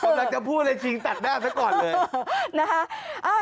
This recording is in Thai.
อ๋อมาฮะผมอยากจะพูดเลยชิงตัดหน้าซะก่อนเลย